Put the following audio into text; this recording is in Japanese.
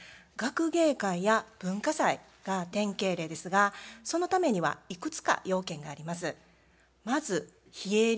学芸会や文化祭が典型例ですがそのためにはいくつか要件があります。